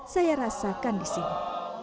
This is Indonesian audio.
saya rasakan di sini